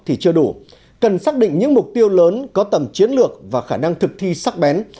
thì chưa đủ cần xác định những mục tiêu lớn có tầm chiến lược và khả năng thực thi sắc bén